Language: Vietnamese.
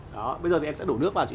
đó bây giờ thì em sẽ đổ nước vào chị ạ